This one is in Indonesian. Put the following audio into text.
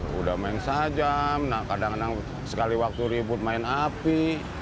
sudah main saja kadang kadang sekali waktu ribut main api